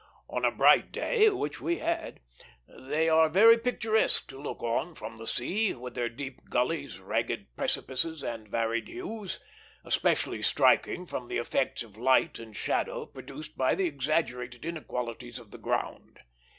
On a bright day, which we had, they are very picturesque to look on from the sea, with their deep gullies, ragged precipices, and varied hues; especially striking from the effects of light and shadow produced by the exaggerated inequalities of the ground.